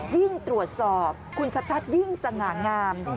ยิ่งตรวจสอบคุณชัดยิ่งสง่างาม